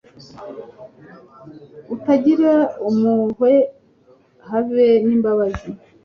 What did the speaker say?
utagira imuhwe habe n,imbabazi